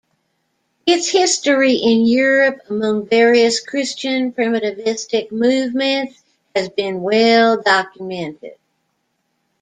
Its history in Europe among various Christian primitivistic movements has been well documented.